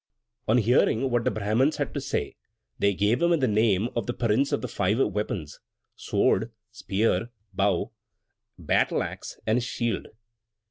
On hearing what the Brahmans had to say, they gave him the name of the Prince of the Five Weapons, sword, spear, bow, battle axe, and shield.